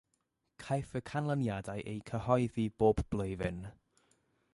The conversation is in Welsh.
Caiff y canlyniadau eu cyhoeddi bob blwyddyn.